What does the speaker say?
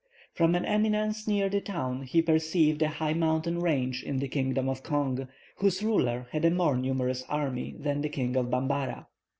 From an eminence near the town he perceived a high mountain range in the kingdom of Kong, whose ruler had a more numerous army than the King of Bambara.